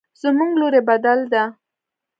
زموږ لوري بدل ده